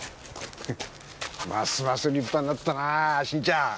ますます立派になったなぁ晋ちゃん！